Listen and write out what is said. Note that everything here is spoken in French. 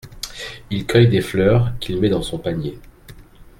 Il cueille des fleurs, qu'il met dans son panier.